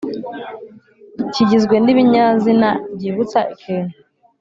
kigizwe n’ibinyazina byibutsa ikintu